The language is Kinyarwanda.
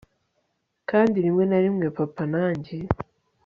kandi rimwe na rimwe papa na njye